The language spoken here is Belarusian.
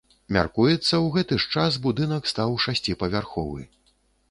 Мяркуецца, у гэты ж час будынак стаў шасціпавярховы.